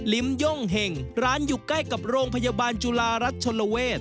ลิ้มย่องเฮงร้านอยู่ใกล้กับโรงพยาบาลจุฬารัฐชนเวท